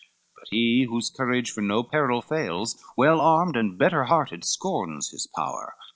XCVIII But he, whose courage for no peril fails, Well armed, and better hearted, scorns his power.